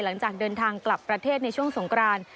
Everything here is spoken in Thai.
หลังจากเดินทางกลับประเทศในช่วงสงคราน